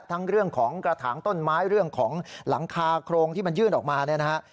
ทั้งเรื่องของกระถางต้นไม้เรื่องของหลังคาโครงที่มันยื่นออกมาเนี่ยนะฮะ